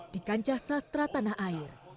di kancah sastra tanah air